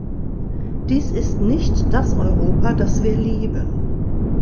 Dies ist nicht das Europa, das wir lieben.